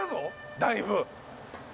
だいぶ。